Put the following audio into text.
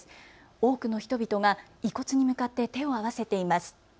多くの人々が遺骨に向かって手を合わせています。